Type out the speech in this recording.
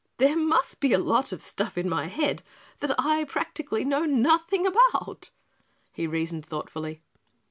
"There must be a lot of stuff in my head that I practically know nothing about," he reasoned thoughtfully.